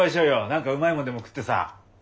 何かうまいもんでも食ってさ。